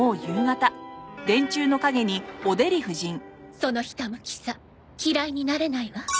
そのひたむきさ嫌いになれないわ。